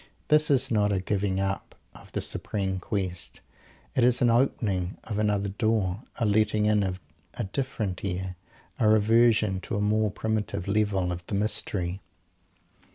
This is not a giving up of the supreme quest. It is an opening of another door; a letting in of a different air; a reversion to a more primitive level of the mystery.